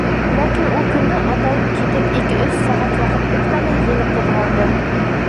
Ләкин ул көндө атайым китеп ике-өс сәғәт ваҡыт үтмәне, ел ҡуҙғалды.